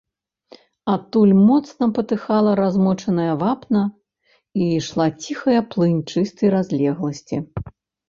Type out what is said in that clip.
Адтуль моцна патыхала размочаная вапна, і ішла ціхая плынь чыстай разлегласці.